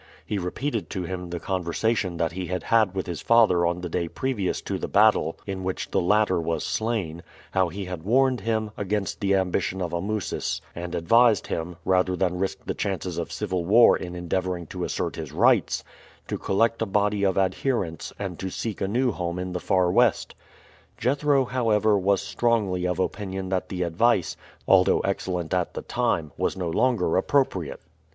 He repeated to him the conversation that he had had with his father on the day previous to the battle in which the latter was slain, how he had warned him, against the ambition of Amusis, and advised him, rather than risk the chances of civil war in endeavoring to assert his rights, to collect a body of adherents and to seek a new home in the far west. Jethro, however, was strongly of opinion that the advice, although excellent at the time, was no longer appropriate.